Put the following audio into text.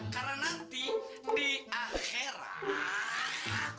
karena nanti di akhirat